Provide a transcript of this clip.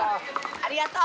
ありがとう。